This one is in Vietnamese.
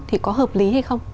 thì có hợp lý hay không